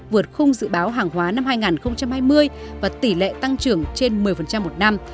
vượt khung dự báo hàng hóa năm hai nghìn hai mươi và tỷ lệ tăng trưởng trên một mươi một năm